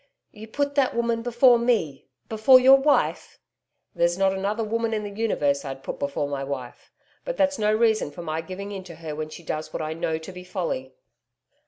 'You put that woman before ME before your wife?' 'There's not another woman in the universe I'd put before my wife. But that's no reason for my giving in to her when she does what I know to be folly.'